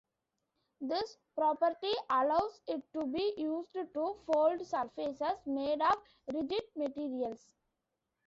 This property allows it to be used to fold surfaces made of rigid materials.